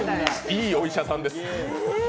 いいお医者さんです。